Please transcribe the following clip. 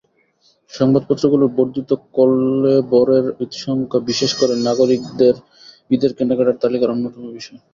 সংবাদপত্রগুলোর বর্ধিত কলেবরের ঈদসংখ্যা বিশেষ করে নাগরিকদের ঈদের কেনাকাটার তালিকার অন্যতম বিষয়।